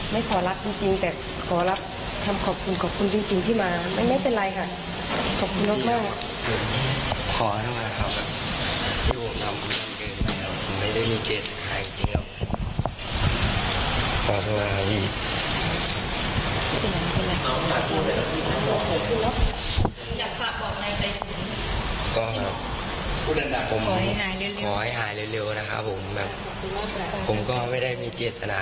ไม่มีใครมาพุดอะไรให้ฟังนะคะก็จะร้องห้าอย่างเดียว